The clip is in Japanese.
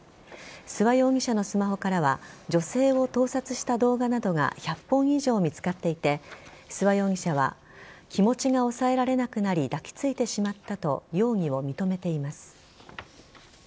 諏訪容疑者のスマホからは女性を盗撮した動画などが１００本以上見つかっていて諏訪容疑者は気持ちが抑えられなくなり抱きついてしまったと容疑を認めています。